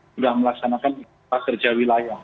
sudah melaksanakan kerja wilayah